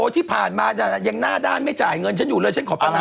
ที่ผ่านมายังหน้าด้านไม่จ่ายเงินฉันอยู่เลยฉันขอปัญหา